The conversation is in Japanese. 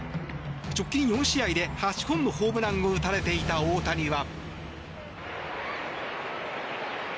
直近４試合で８本のホームランを打たれていた大谷は。